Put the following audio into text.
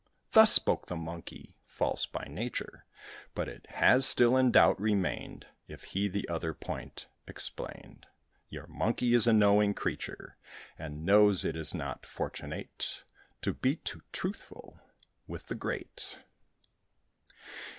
Thus spoke the Monkey false by nature; But it has still in doubt remained If he the other point explained; Your Monkey is a knowing creature, And knows it is not fortunate To be too truthful with the great.